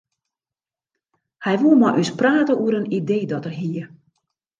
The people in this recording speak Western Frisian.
Hy woe mei ús prate oer in idee dat er hie.